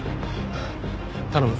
頼む。